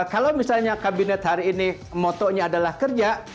kalau misalnya kabinet hari ini motonya adalah kerja